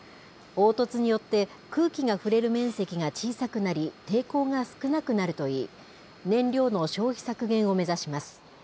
凹凸によって空気が触れる面積が小さくなり、抵抗が少なくなるといい、燃料の消費削減を目指します。